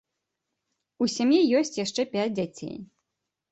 У сям'і ёсць яшчэ пяць дзяцей.